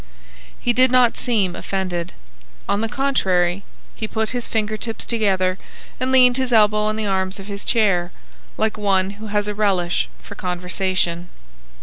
He did not seem offended. On the contrary, he put his finger tips together and leaned his elbows on the arms of his chair, like one who has a relish for conversation.